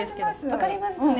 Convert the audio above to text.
分かりますよね。